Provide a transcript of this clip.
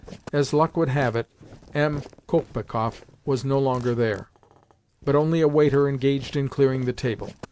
As luck would have it, M. Kolpikoff was no longer there, but only a waiter engaged in clearing the table.